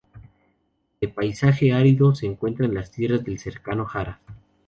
De paisaje árido, se encuentra en las tierras del Cercano Harad.